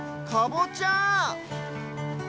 かぼちゃ！